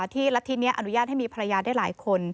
รัฐธินี้อนุญาตให้มีภรรยาได้หลายคน